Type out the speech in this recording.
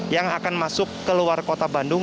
yang akan masuk ke luar kota bandung